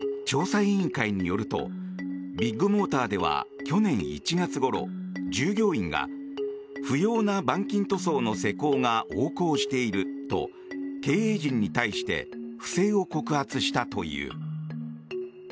しかし、調査委員会によるとビッグモーターでは去年１月ごろ、従業員が不要な板金・塗装の施工が横行していると経営陣に対して不正を告発したという。